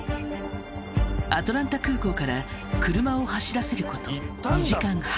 アトランタ空港から車を走らせること２時間半。